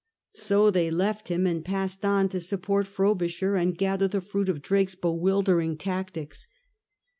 So they left him and passed on to support Frobisher, and gather the fruit of Drake's bewildering tactics.